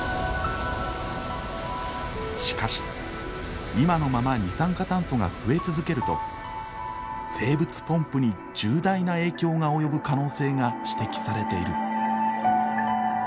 しかし今のまま二酸化炭素が増え続けると生物ポンプに重大な影響が及ぶ可能性が指摘されている。